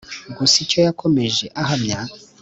gusa icyo yakomeje ahamya